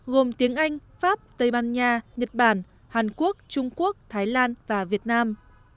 gồm tiếng anh pháp tây ban nha nhật bản hàn quốc trung quốc thái lan và việt nam